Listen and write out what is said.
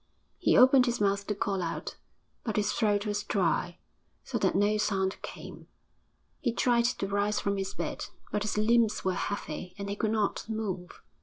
He opened his mouth to call out, but his throat was dry, so that no sound came. He tried to rise from his bed, but his limbs were heavy and he could not move.